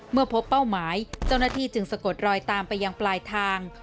เมื่อพบเป้าหมายเจ้าหน้าที่จึงสะกดรอยตามไปยังปลายทาง